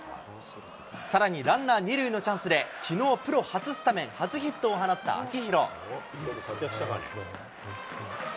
さらにランナー２塁のチャンスで、きのうプロ初スタメン、初ヒットを放った秋広。